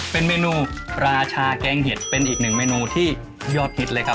เป็นเมนูราชาแกงเห็ดเป็นอีกหนึ่งเมนูที่ยอดฮิตเลยครับ